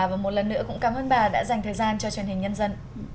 và một lần nữa cũng cảm ơn bà đã dành thời gian cho truyền hình nhân dân